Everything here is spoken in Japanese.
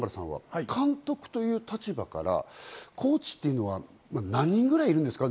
監督という立場からコーチというのは何人くらいいるんですか？